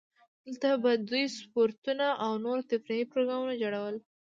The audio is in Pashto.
دلته به دوی سپورتونه او نور تفریحي پروګرامونه جوړول.